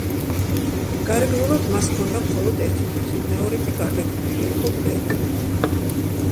გარეგნულად მას ჰქონდა მხოლოდ ერთი ფეხი, მეორე კი გარდაქმნილი იყო გველად.